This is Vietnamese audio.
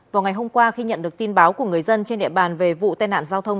vào ngày hôm qua khi nhận được tin báo của người dân trên địa bàn về vụ tai nạn giao thông